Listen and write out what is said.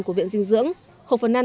của viện dinh dưỡng khẩu phần ăn